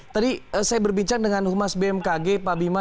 tadi saya berbicara dengan humas bmkg pak bima